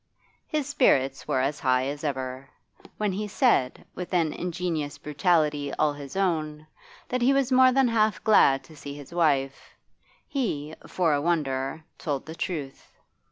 His spirits were as high as ever. When he said with an ingenious brutality all his own that he was more than half glad to see his wife, he, for a wonder, told the truth.